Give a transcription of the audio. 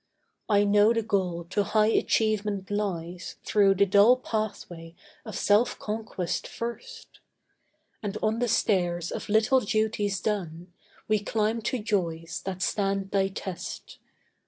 I know the goal to high achievement lies Through the dull pathway of self conquest first; And on the stairs of little duties done We climb to joys that stand thy test.